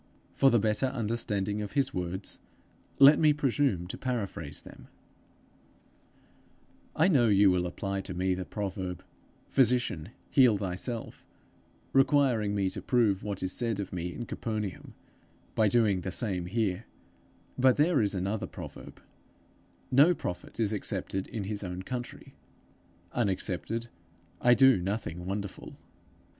For the better understanding of his words, let me presume to paraphrase them: 'I know you will apply to me the proverb, Physician, heal thyself, requiring me to prove what is said of me in Capernaum, by doing the same here; but there is another proverb, No prophet is accepted in his own country. Unaccepted I do nothing wonderful.